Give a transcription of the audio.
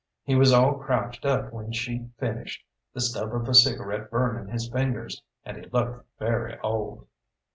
He was all crouched up when she finished, the stub of a cigarette burning his fingers, and he looked very old.